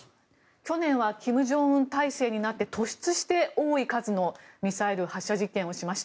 去年は金正恩体制になって突出して多い数のミサイル発射実験をしました。